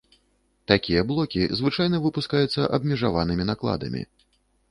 Такія блокі звычайна выпускаюцца абмежаванымі накладамі.